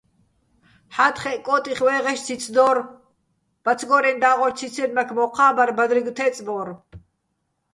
ჰ̦ა́თხეჸ კო́ტიხ ვა́ჲღეშ ციც დო́რ, ბაცგორეჼ და́ღოჩ ციცენმაქ მოჴა́ ბარ, ბადრიგო̆ თე́წბორ.